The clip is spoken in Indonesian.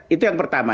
itu yang pertama